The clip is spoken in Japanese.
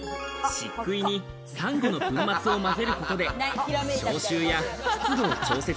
漆喰にサンゴの粉末を混ぜることで消臭や湿度を調節。